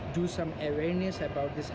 konsep halal di bangladesh